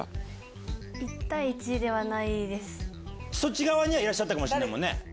そっち側にはいたかもしれないもんね。